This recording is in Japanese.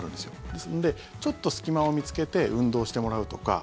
ですのでちょっと隙間を見つけて運動してもらうとか